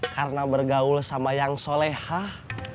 karena bergaul sama yang solehah